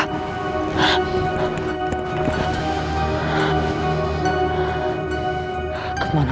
saya menemukan dia